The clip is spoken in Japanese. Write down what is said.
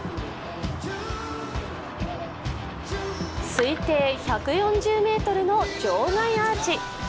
推定１４０ｍの場外アーチ。